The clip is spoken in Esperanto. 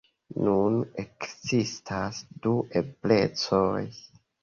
Nun ekzistas du eblecoj.